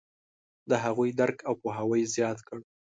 د هغوی درک او پوهاوی یې زیات کړ.